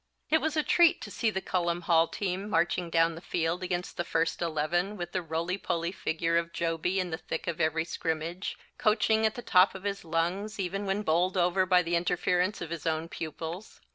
It was a treat to see the Cullom Hall team marching down the field against the first Eleven with the roly poly figure of Jobey in the thick of every scrimmage, coaching at the top of his lungs, even when bowled over by the interference of his own pupils.